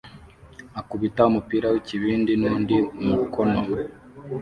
akubita umupira wikibindi nundi mukono